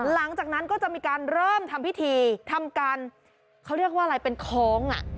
หลังจากนั้นก็จะมีการเริ่มทำพิธีทำการเขาเรียกว่าอะไรเป็นคล้องอ่ะ